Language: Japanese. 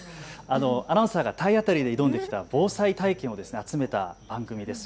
アナウンサーが体当たりで挑んできた防災体験を集めた番組です。